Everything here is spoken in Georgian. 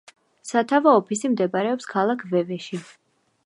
სათავო ოფისი მდებარეობს ქალაქ ვევეში.